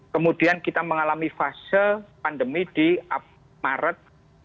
kemudian kita mengalami fase pandemi di maret dua ribu dua puluh